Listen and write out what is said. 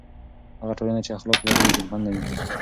هغه ټولنه چې اخلاق لري، عزتمنه وي.